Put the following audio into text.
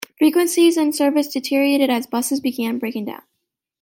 Frequencies and service deteriorated as buses began breaking down.